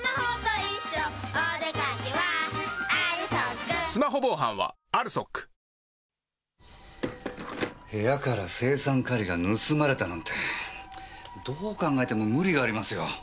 クリニカアドバンテージ部屋から青酸カリが盗まれたなんてどう考えても無理がありますよ。